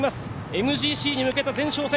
ＭＧＣに向けた前哨戦